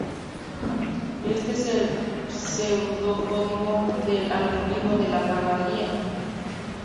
Este es el pseudocódigo del algoritmo de la panadería.